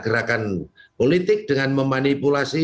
gerakan politik dengan memanipulasi